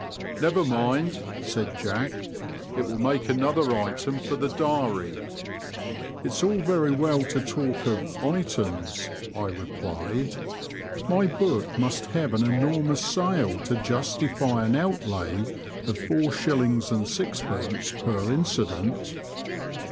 Never mind,*' said Jack; it will make another item for the diary." It*s all very well to talk of • items,' " I replied. " My book must have an enormous sale to justify an outlay of four shillings and sixpence per incident."